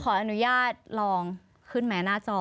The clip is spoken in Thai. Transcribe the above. ขออนุญาตลองขึ้นมาหน้าจอ